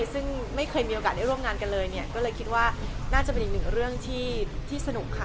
ซึ่งไม่เคยมีโอกาสได้ร่วมงานกันเลยเนี่ยก็เลยคิดว่าน่าจะเป็นอีกหนึ่งเรื่องที่สนุกค่ะ